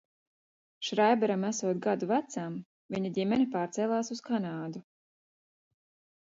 Šreiberam esot gadu vecam, viņa ģimene pārcēlās uz Kanādu.